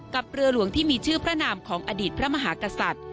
เรือหลวงที่มีชื่อพระนามของอดีตพระมหากษัตริย์